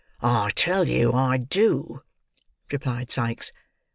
"I tell you I do!" replied Sikes.